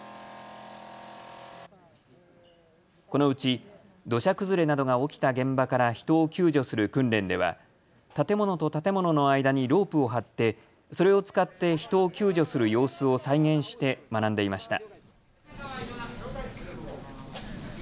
このうち土砂崩れなどが起きた現場から人を救助する訓練では建物と建物の間にロープを張ってそれを使って人を救助する様子を再現して学んでいました。